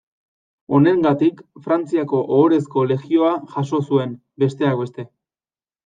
Honengatik, Frantziako Ohorezko Legioa jaso zuen, besteak beste.